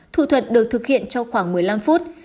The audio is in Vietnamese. thủ thuật được thực hiện trong khoảng một mươi năm phút